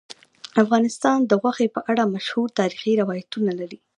افغانستان د غوښې په اړه مشهور تاریخی روایتونه لري.